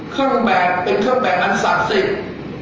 เครื่องแบบเป็นเครื่องแบบอันศักดิ์สิทธิ์